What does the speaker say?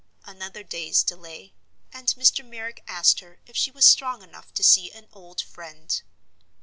Another day's delay—and Mr. Merrick asked her if she was strong enough to see an old friend.